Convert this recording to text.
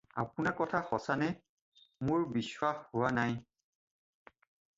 আপোনাৰ কথা সঁচানে? মোৰ বিশ্বাস হোৱা নাই।